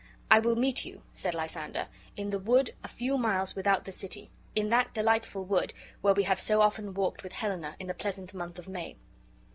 "I will meet you," said Lysander, "in the wood a few miles without the city; in that delightful wood where we have so often walked with Helena in the pleasant month of May."